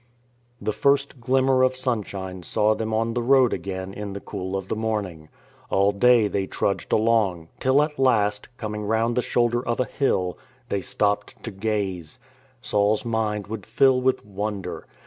The first glimmer of sunshine saw them on the road again in the cool of the morning. All day they trudged along, till at last, coming round the shoulder of a hill, they stopped to gaze. Saul's mind would fill with wonder.